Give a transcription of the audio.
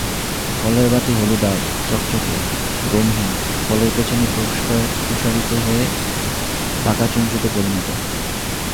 ফলের বৃতি হলুদাভ, চকচকে, রোমহীন, ফলের পেছনে প্রসারিত হয়ে বাঁকা চঞ্চুতে পরিণত।